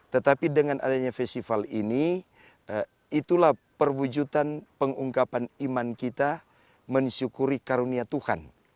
tetapi dengan adanya festival ini itulah perwujudan pengungkapan iman kita mensyukuri karunia tuhan